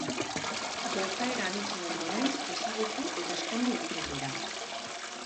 Gertaera anitzen ondoren, ezagutu eta ezkondu egiten dira.